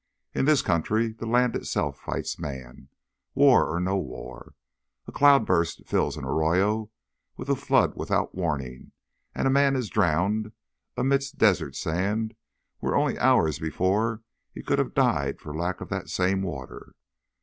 In this country the land itself fights man—war or no war. A cloudburst fills an arroyo with a flood without warning, and a man is drowned amidst desert sand where only hours before he could have died for lack of that same water.